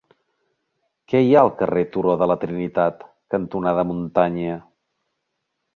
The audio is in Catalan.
Què hi ha al carrer Turó de la Trinitat cantonada Muntanya?